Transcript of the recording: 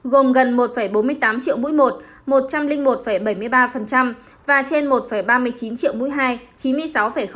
gồm gần một bốn mươi tám triệu mũi một trăm linh một bảy mươi ba và trên một ba mươi chín triệu mũi hai chín mươi sáu